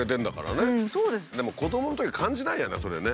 でも子どものとき感じないよねそれね。